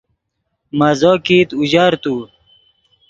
مزو کیت اوژر تو